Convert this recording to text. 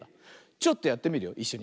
ちょっとやってみるよいっしょに。